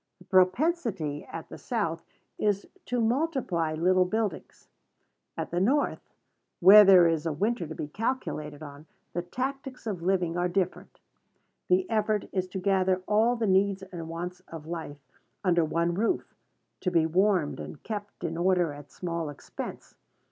The propensity at the South is to multiply little buildings. At the North, where there is a winter to be calculated on, the tactics of living are different. The effort is to gather all the needs and wants of life under one roof, to be warmed and kept in order at small expense.